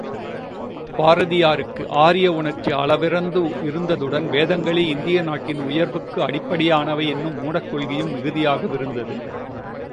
பாரதியாருக்கு ஆரியவுணர்ச்சி அளவிறந்து இருந்ததுடன் வேதங்களே இந்திய நாட்டின் உயர்வுக்கு அடிப்படையானவை என்னும் மூடக் கொள்கையும் மிகுதியாகவிருந்தது.